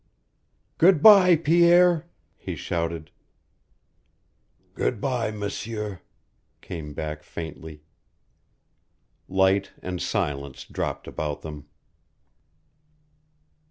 "Good by, Pierre," he shouted. "Good by, M'sieur," came back faintly. Light and silence dropped about them.